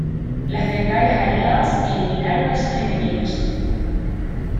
Las bengalas aliadas iluminaron a sus enemigos.